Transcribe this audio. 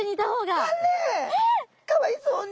かわいそうに！